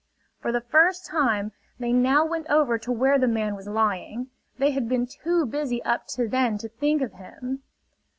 For the first time they now went over to where the man was lying. They had been too busy up to then to think of him.